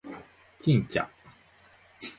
ちんちゃ？